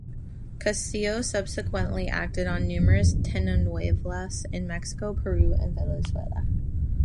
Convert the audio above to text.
Castillo subsequently acted on numerous telenovelas in Mexico, Peru and Venezuela.